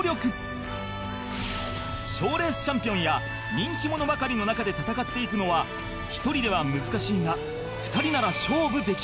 賞レースチャンピオンや人気者ばかりの中で戦っていくのは１人では難しいが２人なら勝負できる